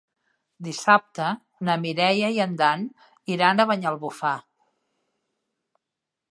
Dissabte na Mireia i en Dan iran a Banyalbufar.